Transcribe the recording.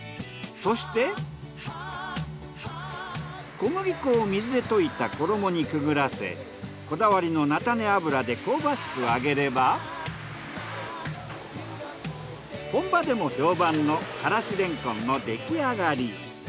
小麦粉を水で溶いた衣にくぐらせこだわりの菜種油で香ばしく揚げれば本場でも評判のからし蓮根の出来上がり。